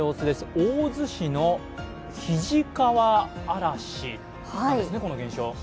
大洲市の肱川あらしなんですね、この現象。